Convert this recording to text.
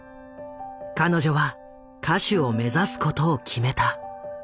彼女は歌手を目指すことを決めた。